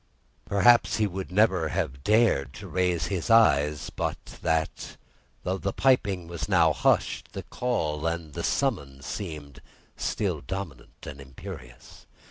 Perhaps he would never have dared to raise his eyes, but that, though the piping was now hushed, the call and the summons seemed still dominant and imperious.